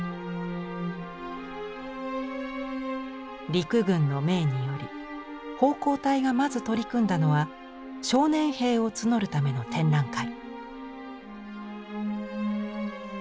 陸軍の命により奉公隊がまず取り組んだのは「少年兵」を募るための展覧会。